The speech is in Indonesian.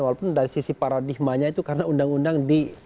walaupun dari sisi paradigmanya itu karena undang undang di